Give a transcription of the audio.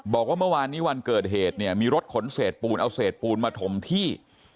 บอกว่าเมื่อวานนี้วันเกิดเหตุเนี่ยมีรถขนเศษปูนเอาเศษปูนมาถมที่